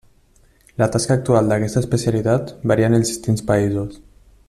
La tasca actual d'aquesta especialitat varia en els distints països.